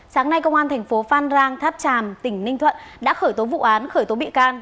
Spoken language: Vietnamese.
sáng nay công an thành phố phan rang tháp tràm tỉnh ninh thuận đã khởi tố vụ án khởi tố bị can